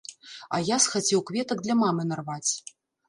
А я схацеў кветак для мамы нарваць.